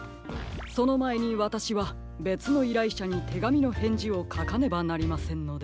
そのまえにわたしはべつのいらいしゃにてがみのへんじをかかねばなりませんので。